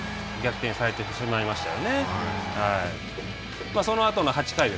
逆転されてしまいましたよね。